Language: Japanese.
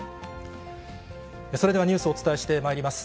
それでは、ニュースをお伝えしてまいります。